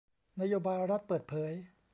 นโยบายรัฐเปิดเผย